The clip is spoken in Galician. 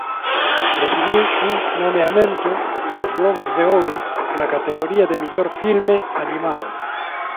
Recibiu un nomeamento ós Globos de Ouro na categoría de mellor filme animado.